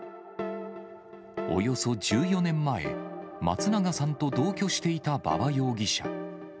およそ１４年前、松永さんと同居していた馬場容疑者。